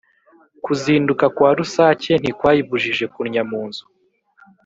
Kuzinduka kwa rusake ntikwayibujije kunnya mu nzu.